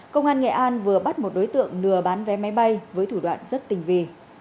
công an nghệ an vừa bắt một đối tượng lừa bán vé máy bay với thủ đoạn rất tình vị